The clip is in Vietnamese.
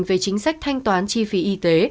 về chính sách thanh toán chi phí y tế